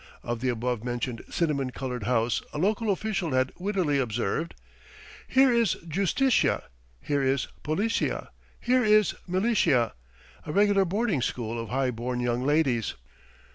Of the above mentioned cinnamon coloured house a local official had wittily observed: "Here is Justitia, here is Policia, here is Militia a regular boarding school of high born young ladies."